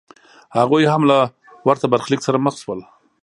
هغوی هم له ورته برخلیک سره مخ شول.